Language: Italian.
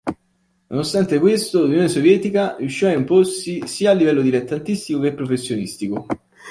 Nonostante questo l'Unione Sovietica riuscì a imporsi sia a livello dilettantistico che professionistico.